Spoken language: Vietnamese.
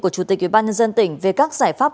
của chủ tịch ubnd tỉnh về các giải pháp